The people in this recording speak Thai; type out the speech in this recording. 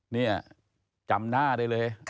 นี่จำหน้าได้เลย